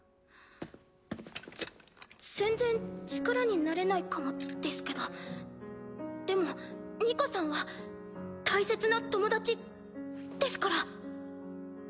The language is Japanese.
ぜ全然力になれないかもですけどでもニカさんは大切な友達ですから。